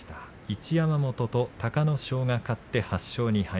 一山本と隆の勝が勝って８勝２敗。